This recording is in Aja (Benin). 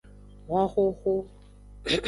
Honxoxo.